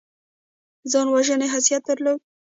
ځان وژنې حیثیت درلود.